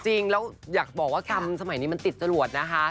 อยากบอกว่ากรรมสมัยนี้มันติดจรวดนะคะ